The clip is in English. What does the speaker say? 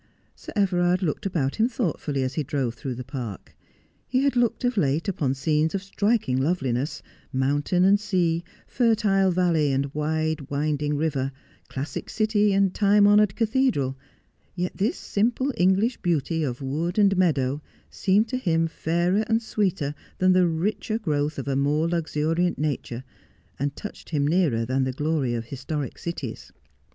Sir Everard looked about him thoughtfully as he drove through the park. He had looked of late upon scenes of striking love liness, mountain and sea, fertile valley and wide winding river, classic city and time honoured cathedral : yet this simple English beauty of wood and meadow seemed to him fairer and sweeter than the richer growth of a more luxuriant nature, and touched him nearer than the glory of historic cities.